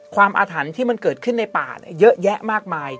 อาถรรพ์ที่มันเกิดขึ้นในป่าเยอะแยะมากมาย